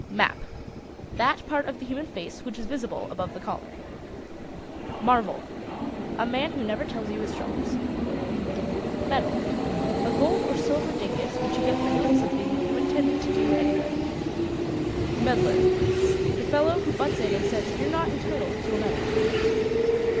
MAP. That part of the human face which is visible above the collar. MARVEL. A man who never tells you his troubles. MEDAL. A gold or silver dingus which you get for doing something you intended to do anyway. MEDDLER. The fellow who butts in and says you're not entitled to a medal.